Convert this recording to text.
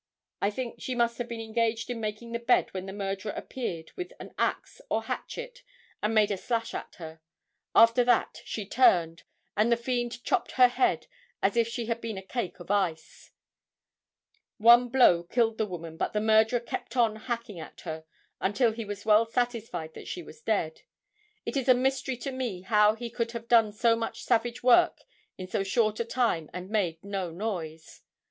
I think she must have been engaged in making the bed when the murderer appeared with an axe or hatchet and made a slash at her. After that she turned, and the fiend chopped her head as if it had been a cake of ice. One blow killed the woman but the murderer kept on hacking at her until he was well satisfied that she was dead. It is a mystery to me how he could have done so much savage work in so short a time and made no noise.